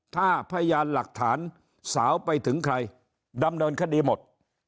ถ้าพยานหลักฐานสาวไปถึงใครดำเนินคดีหมด